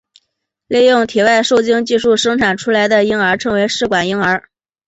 利用体外受精技术生产出来的婴儿称为试管婴儿。